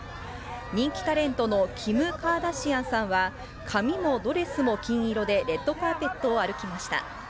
人気タレントのキム・カーダシアンさんは、髪もドレスも金色でレッドカーペットを歩きました。